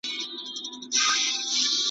او حتی نه د عبدالقادر خان خټک .